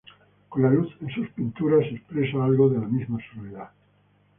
Con la luz en sus pinturas se expresa algo de la misma soledad.